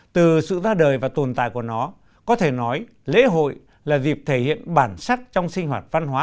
từ sự ra đời và tồn tại của nó có thể nói lễ hội là dịp thể hiện bản sắc trong sinh hoạt văn hóa